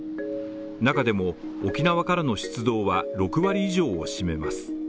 中でも、沖縄からの出動は６割以上を占めます。